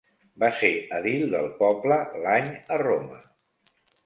Va ser edil del poble l'any a Roma.